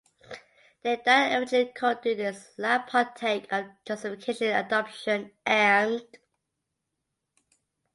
They that are effectually called do in this life partake of justification, adoption, and